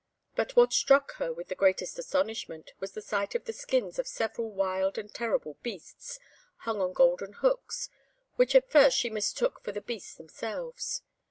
But what struck her with the greatest astonishment was the sight of the skins of several wild and terrible beasts, hung on golden hooks, which at first she mistook for the beasts themselves.